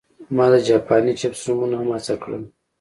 ما د جاپاني چپس نومونه هم هڅه کړل